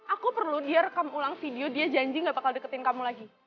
aku perlu dia rekam ulang video dia janji gak bakal deketin kamu lagi